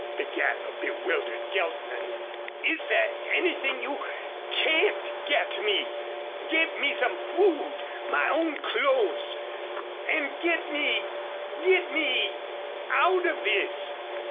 began the bewildered Geltman. "Is there anything you can't get me? Get me some food my own clothes and get me get me out of this.